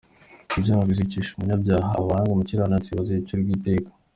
Ibyaha bizicisha umunyabyaha, Abanga umukiranutsi bazacirwaho iteka.